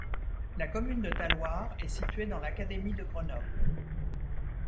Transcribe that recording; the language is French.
La commune de Talloires est située dans l'académie de Grenoble.